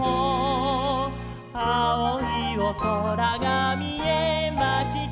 「あおいおそらがみえました」